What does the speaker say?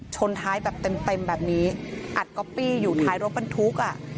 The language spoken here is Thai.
ชนท้ายแบบเต็มแบบนี้อัดก๊อปปี้อยู่ท้ายรถบรรทุกอ่ะ